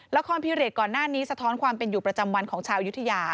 ละครพิเรกก่อนหน้านี้สะท้อนความเป็นอยู่ประจำวันของชาวยุธยา